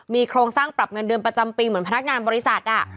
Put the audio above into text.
มีโครงสร้างปรับเงินเดือนประจำปีเหมือนพนักงานบริษัท